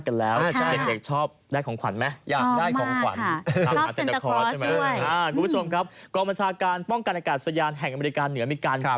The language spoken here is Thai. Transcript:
กันแล้วเด็กชอบได้ของขวัญไหม